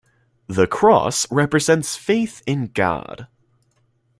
The cross represents faith in God.